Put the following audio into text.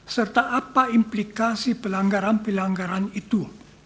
serta apa implikasi pelanggaran pelanggaran itu